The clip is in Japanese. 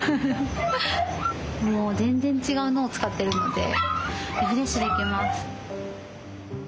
もう全然違う脳を使ってるのでリフレッシュできます。